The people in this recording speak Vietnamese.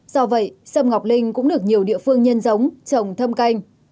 do vậy sâm ngọc linh cũng được nhiều địa phương nhân giống trồng thâm canh